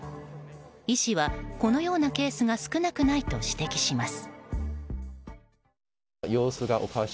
医師は、このようなケースが少なくないと指摘します。